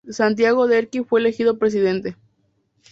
Santiago Derqui fue elegido presidente.